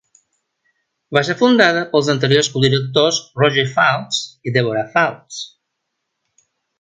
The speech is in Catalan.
Va ser fundada pels anteriors codirectors Roger Fouts i Deborah Fouts.